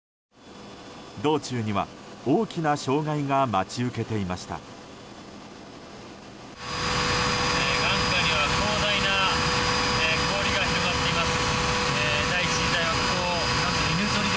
道中には大きな障害が待ち受けていました。